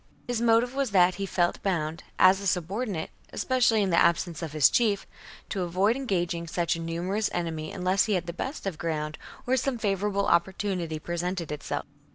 His motive was that he felt bound, as a subordinate, especially in the absence of his chief, to avoid engaging such a numerous enemy unless he had the best of the ground or some favourable opportunity presented itself.